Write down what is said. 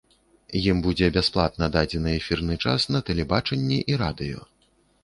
Ім будзе бясплатна дадзены эфірны час на тэлебачанні і радыё.